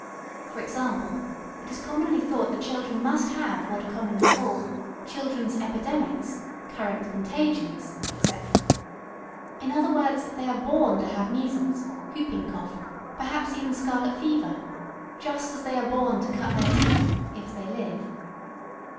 For example, it is commonly thought that children must have what are commonly called "children's epidemics," "current contagions," &c., in other words, that they are born to have measles, hooping cough, perhaps even scarlet fever, just as they are born to cut their teeth, if they live.